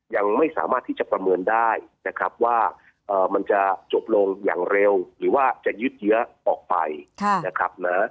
ยังไม่สามารถที่จะประเมินได้นะครับว่ามันจะจบลงอย่างเร็วหรือว่าจะยืดเยื้อออกไปนะครับนะ